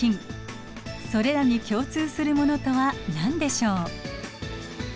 それらに共通するものとは何でしょう？